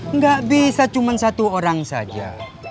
nggak bisa cuma satu orang saja